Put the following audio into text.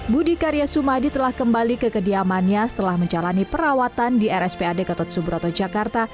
budi karya sumadi telah kembali ke kediamannya setelah menjalani perawatan di rspad gatot subroto jakarta